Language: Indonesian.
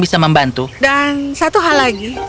bisa membantu dan satu hal lagi